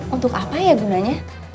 untuk apa ya gunanya